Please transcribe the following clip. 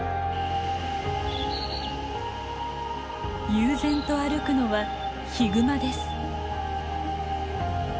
悠然と歩くのはヒグマです。